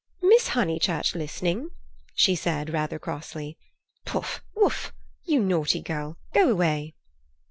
"Miss Honeychurch listening!" she said rather crossly. "Pouf! Wouf! You naughty girl! Go away!"